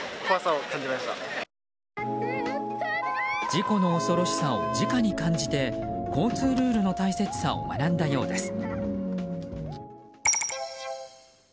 事故の恐ろしさをじかに感じて交通ルールの大切さを学んだようです。